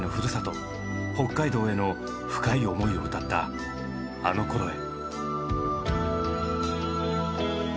北海道への深い思いを歌った「あの頃へ」。